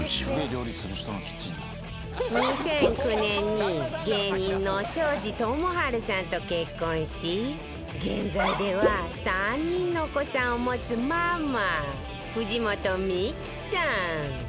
２００９年に芸人の庄司智春さんと結婚し現在では３人のお子さんを持つママ、藤本美貴さん